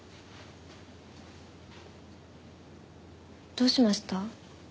どうしました？